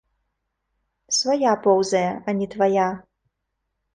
Свая поўзае, а не твая.